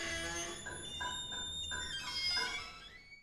Tumbukiza viazi vikavu ulivyovifunika